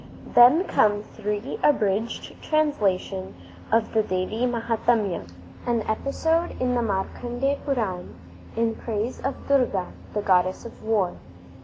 Then come three abridged translations of the Devi Mahatamya, an episode in the Markandeya Puran, in praise of Durga the goddess of war.